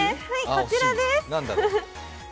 こちらです。